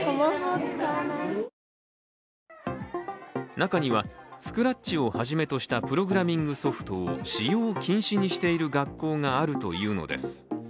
中には、スクラッチをはじめとしたプログラミングソフトを使用禁止にしている学校があるというのです。